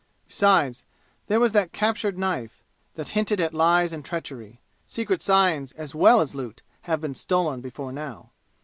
Besides, there was that captured knife, that hinted at lies and treachery. Secret signs as well as loot have been stolen before now.